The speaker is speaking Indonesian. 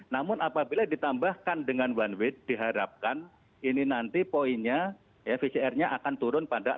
namun apabila ditambahkan dengan one way diharapkan ini nanti poinnya ya pcr nya akan turun pada